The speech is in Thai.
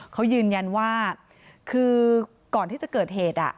เขายืนยันว่าคือก่อนที่จะเกิดเหตุ